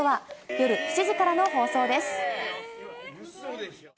夜７時からの放送です。